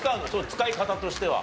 使い方としては。